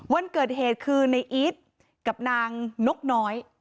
วันเกิดเหตุคือในอีทกับนางนกน้อย